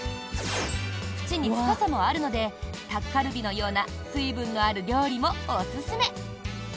縁に深さもあるのでタッカルビのような水分のある料理もおすすめ。